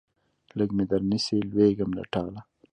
لږ مې درنیسئ لوېږم له ټاله